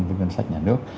với ngân sách nhà nước